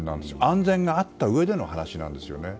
安全があったうえでの話なんですよね。